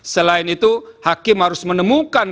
selain itu hakim harus menemukan